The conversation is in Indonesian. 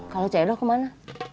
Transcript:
kalau cedo kemana